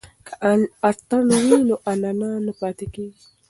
که اتڼ وي نو عنعنه نه پاتې کیږي.